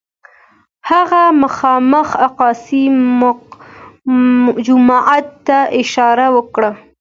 هغه مخامخ الاقصی جومات ته اشاره وکړه.